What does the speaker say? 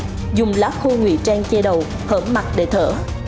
tâm đang ẩn nấp dưới rừng dùng lá khô ngụy trang che đầu hở mặt để thở